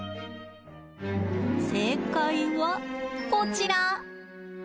正解はこちら！